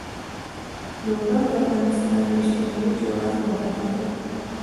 لوگر د افغانستان د اجتماعي جوړښت برخه ده.